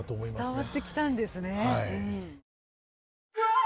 伝わってきたんですね。